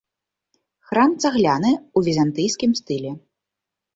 Храм цагляны ў візантыйскім стылі.